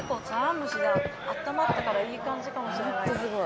蒸しであったまったからいい感じかもしれない。